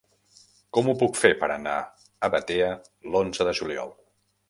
Com ho puc fer per anar a Batea l'onze de juliol?